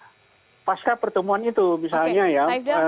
nah pasca pertemuan itu misalnya ya